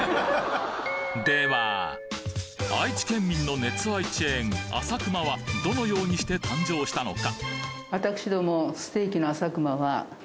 愛知県民の熱愛チェーンあさくまはどのようにして誕生したのか？